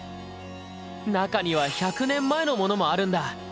中には１００年前のものもあるんだ。